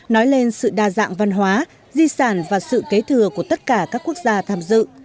nói lên sự đa dạng văn hóa di sản và sự kế thừa của tất cả các quốc gia tham dự